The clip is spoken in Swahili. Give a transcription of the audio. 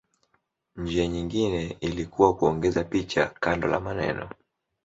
Njia nyingine ilikuwa kuongeza picha kando la maneno.